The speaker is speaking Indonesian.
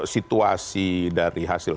situasi dari hasil